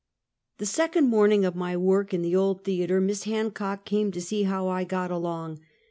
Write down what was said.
The second morning of my work in the old theater, Miss Hancock came to see how I got along.